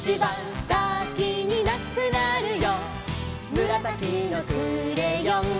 「むらさきのクレヨン」